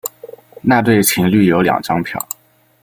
那对情侣有两张票